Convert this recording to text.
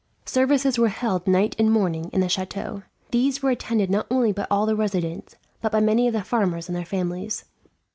Services were held night and morning in the chateau. These were attended not only by all the residents, but by many of the farmers and their families.